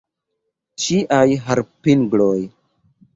Ŝiaj harpingloj.